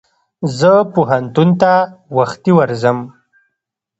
زه پوهنتون ته وختي ورځم.